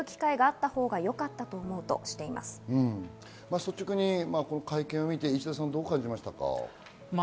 率直に会見をみて石田さん、どう感じましたか？